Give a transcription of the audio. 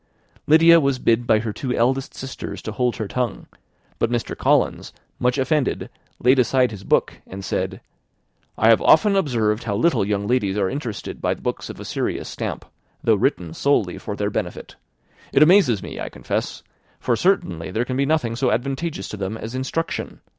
Lydia was bid by her two eldest sisters to hold her tongue; but Mr. Collins, much offended, laid aside his book, and said, "I have often observed how little young ladies are interested by books of a serious stamp, though written solely for their benefit. It amazes me, I confess; for certainly there can be nothing so advantageous to them as instruction.